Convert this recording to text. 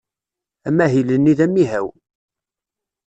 Amahil-nni d amihaw.